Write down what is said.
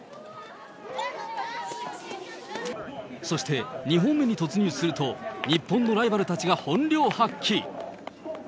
そして２本目に突入すると、日本のライバルたちが本領発揮。